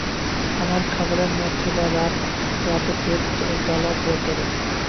আমার খাবারের মধ্যে বা রাতে পেট জ্বালা পুড়া করে।